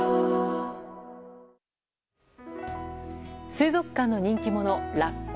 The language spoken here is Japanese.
水族館の人気者、ラッコ。